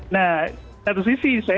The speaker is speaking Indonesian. nah satu sisi